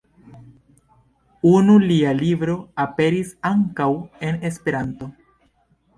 Unu lia libro aperis ankaŭ en esperanto.